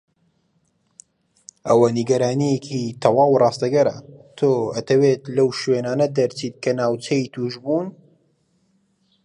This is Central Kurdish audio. ئەوە نیگەرانیەکی تەواو ڕاستەگەر تۆ ئەتهەویت لەو شوێنانە دەرچیت کە ناوچەی توشبوون.